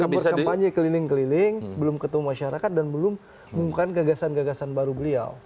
belum berkampanye keliling keliling belum ketemu masyarakat dan belum mengumumkan gagasan gagasan baru beliau